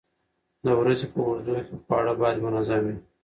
د ورځې په اوږدو کې خواړه باید منظم وي.